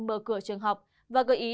mở cửa trường học và gợi ý